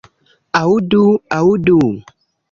Aŭdu, aŭdu.